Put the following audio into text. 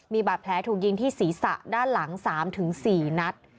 มีบาดแผลถูกยิงที่ศีรษะด้านหลัง๓๔นัด